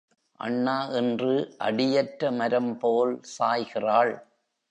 அண்ணா என்று அடியற்ற மரம்போல் சாய்கிறாள்.